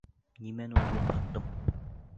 Нимәне урлап һаттым?